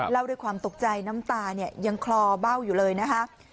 เล่าด้วยความตกใจน้ำตาเนี่ยยังคลอเบ้าอยู่เลยนะคะ